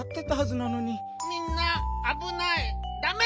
みんなあぶないダメ！